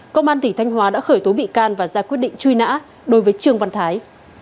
công an tỉnh thanh hóa đã khởi tố bị can và ra quyết định truy nã đối với trương văn thái